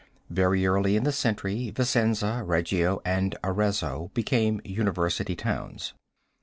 Very early in the century Vicenza, Reggio, and Arezzo became university towns.